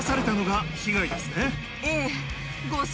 ええ。